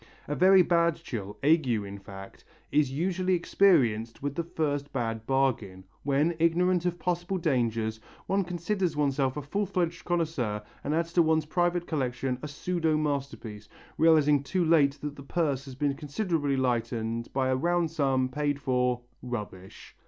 A very bad chill, ague in fact, is usually experienced with the first bad bargain, when, ignorant of possible dangers, one considers oneself a full fledged connoisseur and adds to one's private collection a pseudo masterpiece, realizing too late that the purse has been considerably lightened by a round sum paid for rubbish.